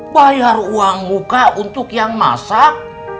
bayar uang muka untuk yang masak